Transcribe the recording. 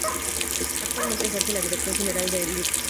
Actualmente ejerce la dirección general el Lic.